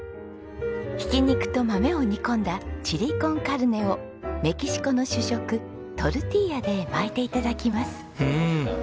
ひき肉と豆を煮込んだチリコンカルネをメキシコの主食トルティーヤで巻いて頂きます。